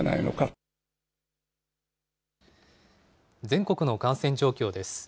全国の感染状況です。